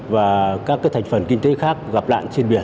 và các thành phần kinh tế khác gặp nạn trên biển